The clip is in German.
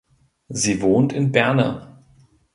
Sie wohnt in Berne.